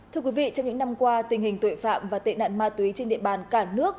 thưa quý vị trong những năm qua tình hình tội phạm và tệ nạn ma túy trên địa bàn cả nước